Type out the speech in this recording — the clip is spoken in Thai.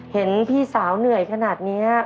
เห็นพี่สาวเหนื่อยขนาดนี้